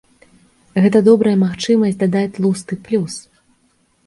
Гэта добрая магчымасць дадаць тлусты плюс.